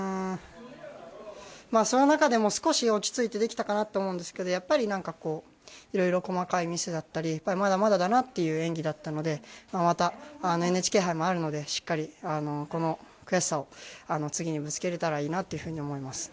その中でも少し落ち着いてできたかなと思うんですがやっぱりいろいろ細かいミスだったりまだまだだなという演技だったのでまたＮＨＫ杯もあるのでしっかり、この悔しさを次にぶつけられたらいいなと思っています。